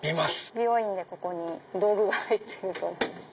美容院でここに道具が入ってると思います。